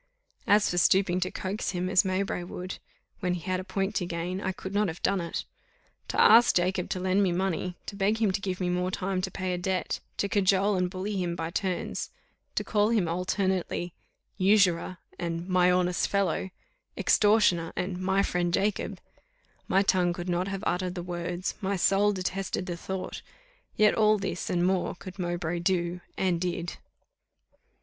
As for stooping to coax him as Mowbray would, when he had a point to gain, I could not have done it. To ask Jacob to lend me money, to beg him to give me more time to pay a debt, to cajole and bully him by turns, to call him alternately usurer and my honest fellow, extortioner and my friend Jacob my tongue could not have uttered the words, my soul detested the thought; yet all this, and more, could Mowbray do, and did.